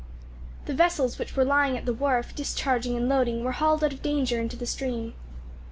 The vessels which were lying at the wharf discharging and loading were hauled out of danger into the stream.